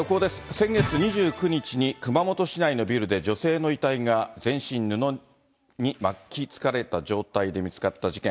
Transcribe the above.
先月２９日に熊本市内のビルで女性の遺体が全身布に巻きつかれた状態で見つかった事件。